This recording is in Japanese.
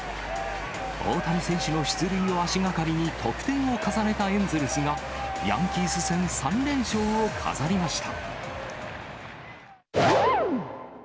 大谷選手の出塁を足がかりに得点を重ねたエンゼルスが、ヤンキース戦３連勝を飾りました。